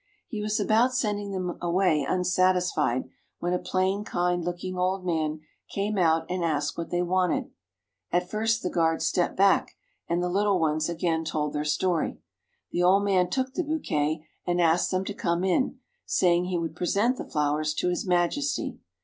He was about sending them away unsatisfied, when a plain, kind looking old man came out and asked what they wanted. At this the guard stepped back, and the little ones again told their story. The old man took the bouquet and asked them to come in, saying he would present the flowers to His Majesty.